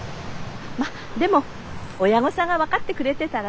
まっでも親御さんが分かってくれてたらね。